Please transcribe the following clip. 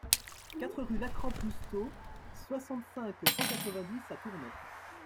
quatre rue Lacrampe Loustau, soixante-cinq, cent quatre-vingt-dix à Tournay